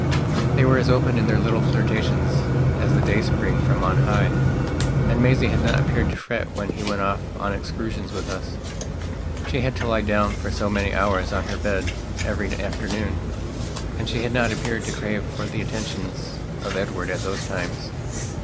They were as open in their little flirtations as the dayspring from on high. And Maisie had not appeared to fret when he went off on excursions with us; she had to lie down for so many hours on her bed every afternoon, and she had not appeared to crave for the attentions of Edward at those times.